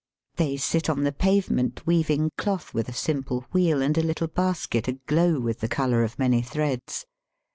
They sit on the pavement, weaving cloth with a simple wheel and a little basket aglow with the colour of. many threads.